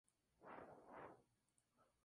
Este día no hay ningún reproche contra ustedes.